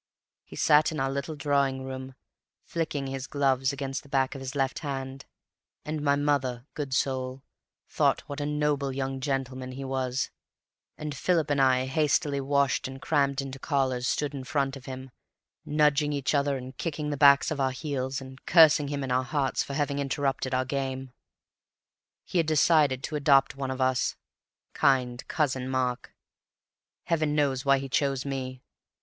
He sat in our little drawing room, flicking his gloves against the back of his left hand, and my mother, good soul, thought what a noble young gentleman he was, and Philip and I, hastily washed and crammed into collars, stood in front of him, nudging each other and kicking the backs of our heels and cursing him in our hearts for having interrupted our game. He had decided to adopt one of us, kind Cousin Mark. Heaven knows why he chose me.